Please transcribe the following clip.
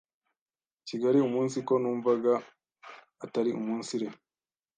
kigali umunsiko numvaga atari umunsire